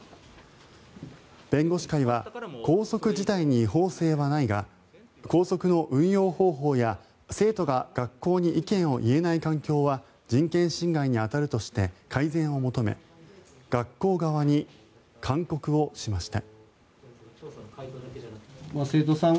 弁護士会は校則自体に違法性はないが校則の運用方法や生徒が学校に意見を言えない環境は人権侵害に当たるとして改善を求め学校側に勧告をしました。